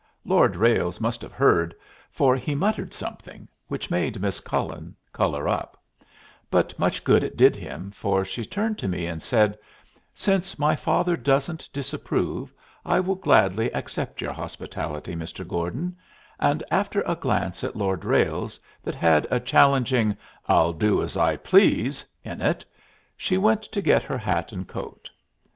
Lord Ralles must have heard, for he muttered something, which made Miss Cullen color up; but much good it did him, for she turned to me and said, "Since my father doesn't disapprove, I will gladly accept your hospitality, Mr. Gordon," and after a glance at Lord Ralles that had a challenging "I'll do as I please" in it, she went to get her hat and coat.